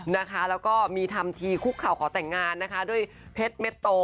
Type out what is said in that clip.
แล้วก็มีทำทีคุกเข่าขอแต่งงานนะคะด้วยเพชรเม็ดโต